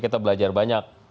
kita belajar banyak